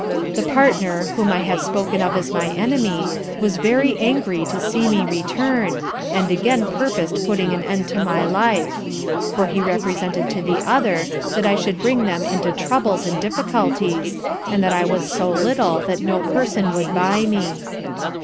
The partner, whom I have spoken of as my enemy, was very angry to see me return, and again purposed putting an end to my life; for he represented to the other, that I should bring them into troubles and difficulties, and that I was so little that no person would buy me.